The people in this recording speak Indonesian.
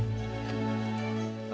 terima kasih pak